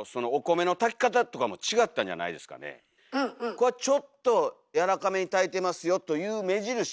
これはちょっとやわらかめに炊いてますよという目印。